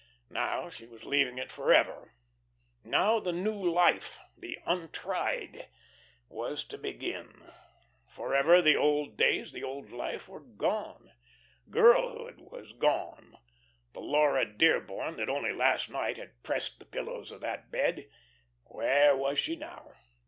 Now she was leaving it forever. Now the new life, the Untried, was to begin. Forever the old days, the old life were gone. Girlhood was gone; the Laura Dearborn that only last night had pressed the pillows of that bed, where was she now?